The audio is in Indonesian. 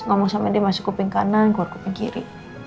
ngomong sama dia masuk kuping kanan keluar kuping kiri